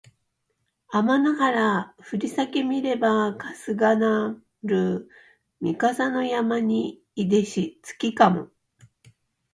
あまの原ふりさけ見ればかすがなるみ笠の山にいでし月かも